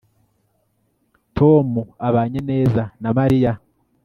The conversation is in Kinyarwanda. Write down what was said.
tom abanye neza na mariya